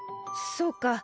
そうか。